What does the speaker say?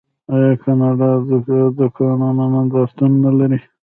آیا کاناډا د کانونو نندارتون نلري؟